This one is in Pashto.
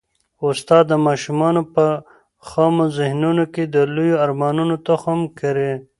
استاد د ماشومانو په خامو ذهنونو کي د لویو ارمانونو تخم کري.